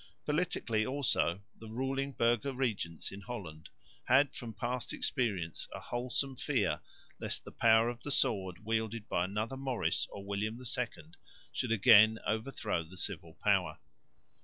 Politically also the ruling burgher regents in Holland had from past experience a wholesome fear lest the power of the sword wielded by another Maurice or William II should again overthrow the civil power.